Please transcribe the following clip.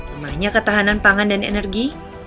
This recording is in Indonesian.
lemahnya ketahanan pangan dan energi